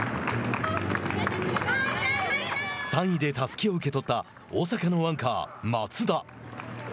３位でたすきを受け取った大阪のアンカー、松田。